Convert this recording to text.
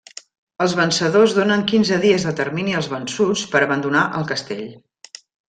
Els vencedors donen quinze dies de termini als vençuts per abandonar el castell.